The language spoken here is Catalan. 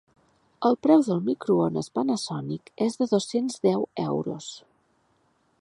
El preu del microones Panasonic és de dos-cents deu euros.